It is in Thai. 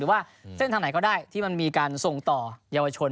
ว่าเส้นทางไหนก็ได้ที่มันมีการส่งต่อเยาวชน